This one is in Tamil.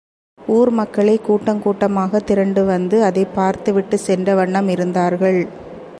ஊர் மக்களே கூட்டம் கூட்டமாகத் திரண்டு வந்து அதைப்பார்த்து விட்டுச் சென்ற வண்ணம் இருந்தார்கள்.